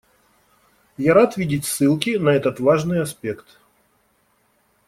Я рад видеть ссылки на этот важный аспект.